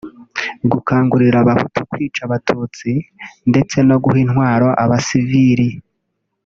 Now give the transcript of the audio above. gukangurira abahutu kwica abatutsi ndetse no guha intwaro abasivili